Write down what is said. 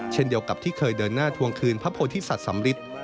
เช่นเดียวกับที่เคยเดินหน้าทวงคืนพระโพธิสัตว์สำริท